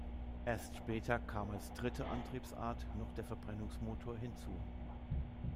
Erst später kam als dritte Antriebsart noch der Verbrennungsmotor hinzu.